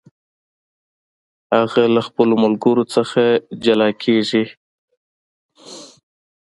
هغه له خپلو ملګرو څخه جلا کیږي.